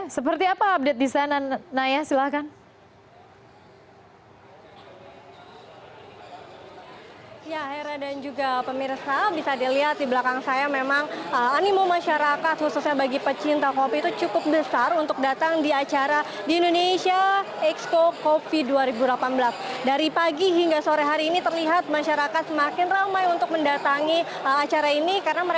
seperti apa update di sana naya silahkan